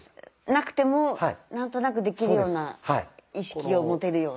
なくても何となくできるような意識を持てるような。